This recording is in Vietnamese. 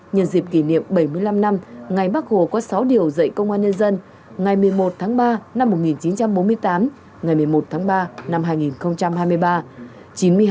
nhân dịp kỷ niệm bảy mươi năm năm ngày bắc hồ qua sáu điều dạy công an nhân dân ngày một mươi một tháng ba năm một nghìn chín trăm bốn mươi tám ngày một mươi một tháng ba năm hai nghìn hai mươi ba